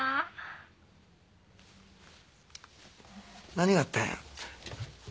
何があったんや？